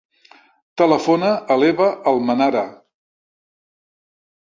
Telefona a l'Eva Almenara.